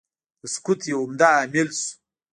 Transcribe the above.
د سقوط یو عمده عامل شو.